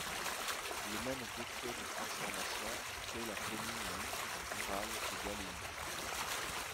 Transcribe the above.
Le même décret de transformation crée la Commune Mixte Rurale de Galim.